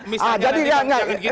misalnya jangan gitu bang